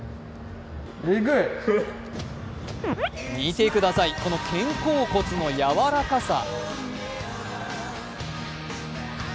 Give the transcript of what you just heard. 見てください、この肩甲骨の柔らかさ。